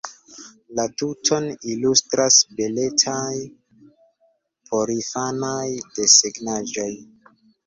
La tuton ilustras beletaj porinfanaj desegnaĵoj.